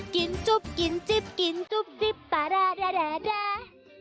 กินจุ๊บกินจิ๊บกินจุ๊บจิ๊บปะรารารารา